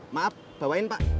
maaf bawain pak